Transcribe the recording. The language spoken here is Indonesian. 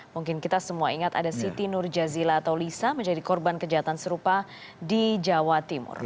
mungkin kita semua ingat ada siti nurjazila atau lisa menjadi korban kejahatan serupa di jawa timur